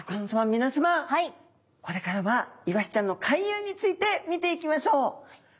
みなさまこれからはイワシちゃんの回遊について見ていきましょう。